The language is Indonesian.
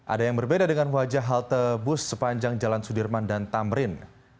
ada yang berbeda dengan wajah halte bus sepanjang jalan sudirman dan tamrin